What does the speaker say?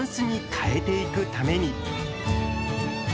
変えていくために。